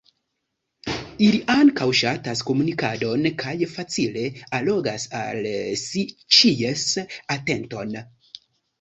Ili ankaŭ ŝatas komunikadon, kaj facile allogas al si ĉies atenton.